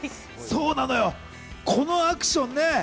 そうなのよ、このアクションね。